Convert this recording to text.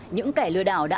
những kẻ lừa đảo đã lợi dụng